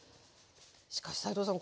しかし斉藤さん